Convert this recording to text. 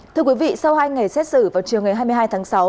thưa quý vị sau hai ngày xét xử vào chiều ngày hai mươi hai tháng sáu